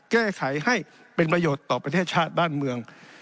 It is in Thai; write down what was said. แก้ไขให้เป็นประโยชน์ต่อประเทศชาติบ้านเมือง